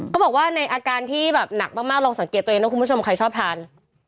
บอกว่าในอาการที่แบบหนักมากลองสังเกตตัวเองนะคุณผู้ชมใครชอบทาน